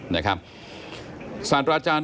นี่ครับสัตว์อาจารย์